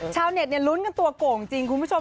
ชาวเน็ตลุ้นกันตัวโก่งจริงคุณผู้ชม